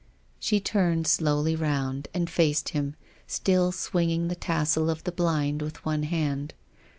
She turned slowly round and faced him, still swinging the tassel of the blind with one hand.